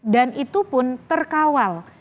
dan itu pun terkawal